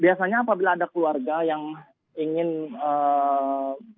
biasanya apabila ada keluarga yang ingin berpen